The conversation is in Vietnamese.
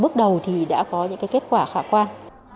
có những kết quả khả quan